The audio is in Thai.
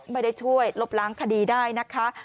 ไม่ได้ช่วยลบล้างคดีได้นะคะ